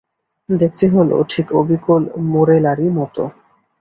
দেখতে হল ঠিক অবিকল মোরেলারই মতো।